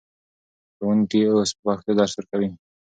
ښوونکي اوس په پښتو درس ورکوي.